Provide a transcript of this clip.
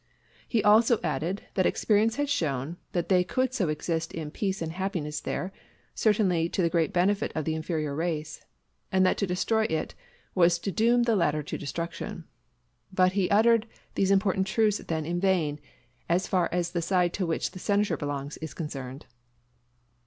He also added that experience had shown that they could so exist in peace and happiness there, certainly to the great benefit of the inferior race; and that to destroy it was to doom the latter to destruction. But he uttered these important truths then in vain, as far as the side to which the Senator belongs is concerned.